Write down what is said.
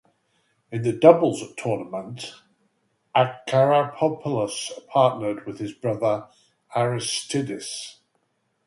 In the doubles tournament, Akratopoulos partnered with his brother Aristidis.